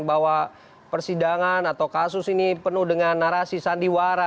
bahwa persidangan atau kasus ini penuh dengan narasi sandiwara